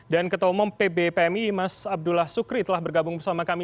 dan ketua umum pb pmi mas abdullah sukri telah bergabung bersama kami